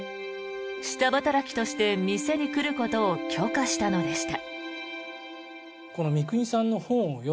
下働きとして店に来ることを許可したのでした。